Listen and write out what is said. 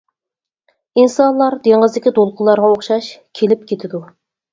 ئىنسانلار دېڭىزدىكى دولقۇنلارغا ئوخشاش كېلىپ كېتىدۇ.